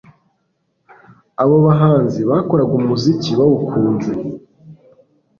Abo bahanzi bakoraga umuziki bawukunze,